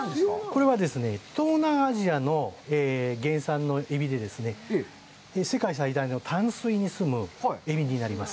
これはですね、東南アジアの原産のエビでですね、世界最大の淡水にすむエビになります。